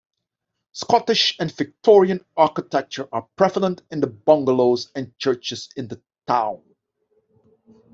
Scottish and Victorian architecture are prevalent in the bungalows and churches in the town.